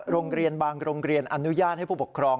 โรงเรียนบางโรงเรียนอนุญาตให้ผู้ปกครอง